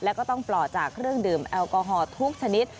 แล้วก็ต้องปลอดจากเครื่องดื่มแอลกอฮอล์ทุกชนิด